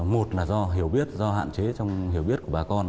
một là do hiểu biết do hạn chế trong hiểu biết của bà con